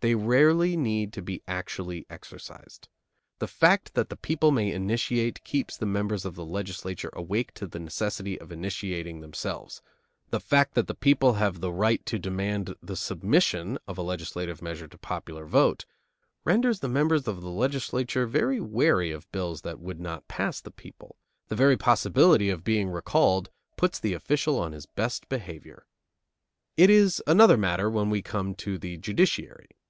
They rarely need to be actually exercised. The fact that the people may initiate keeps the members of the legislature awake to the necessity of initiating themselves; the fact that the people have the right to demand the submission of a legislative measure to popular vote renders the members of the legislature wary of bills that would not pass the people; the very possibility of being recalled puts the official on his best behavior. It is another matter when we come to the judiciary.